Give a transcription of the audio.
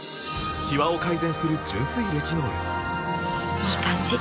いい感じ！